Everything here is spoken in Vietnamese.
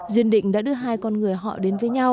duyên định đã đưa hai con người họ đến với nhau